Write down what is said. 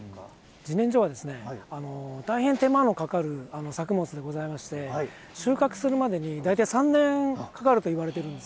じねんじょはですね、大変手間のかかる作物でございまして、収穫するまでに大体３年かかるといわれてるんです。